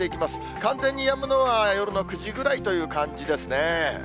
完全にやむのは夜の９時くらいという感じですね。